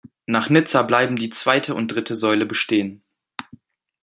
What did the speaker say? Nach Nizza bleiben die zweite und dritte Säule bestehen.